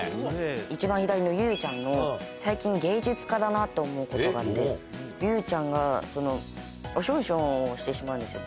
一番左のゆゆちゃんの、最近、芸術家だなと思うことがあって、ゆゆちゃんが、おしょんしょんをしてしまうんですよ。